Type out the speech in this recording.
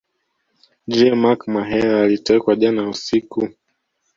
Je Mark Mahela alitekwa jana usiku